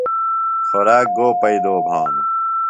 خوراک گو پیئدو بھانوۡ؟